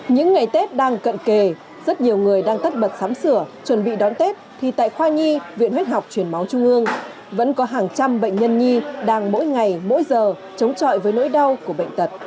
những ngày tết đang cận kề rất nhiều người đang tất bật sắm sửa chuẩn bị đón tết thì tại khoa nhi viện huyết học truyền máu trung ương vẫn có hàng trăm bệnh nhân nhi đang mỗi ngày mỗi giờ chống chọi với nỗi đau của bệnh tật